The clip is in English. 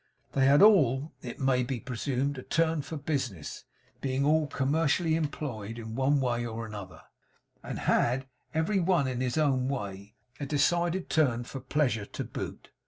They had all, it may be presumed, a turn for business; being all commercially employed in one way or other; and had, every one in his own way, a decided turn for pleasure to boot.